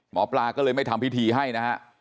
หมอปลาก็เลยไม่ทำพิธีให้นะฮะ